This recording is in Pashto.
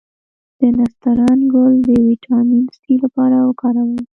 د نسترن ګل د ویټامین سي لپاره وکاروئ